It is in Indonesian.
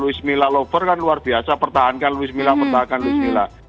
louis mila lover kan luar biasa pertahankan louis mila pertahankan louis mila